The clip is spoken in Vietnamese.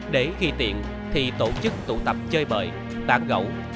để khi tiện thì tổ chức tụ tập chơi bợi tạm gẫu